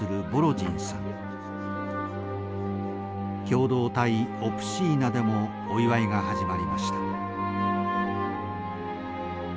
共同体オプシーナでもお祝いが始まりました。